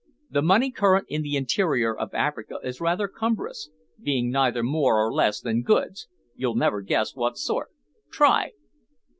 The money current in the interior of Africa is rather cumbrous, being neither more nor less than goods. You'll never guess what sort try."